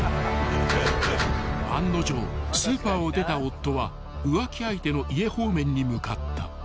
［案の定スーパーを出た夫は浮気相手の家方面に向かった］